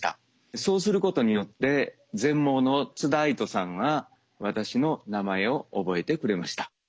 そうすることによって全盲の津田愛土さんは私の名前を覚えてくれました。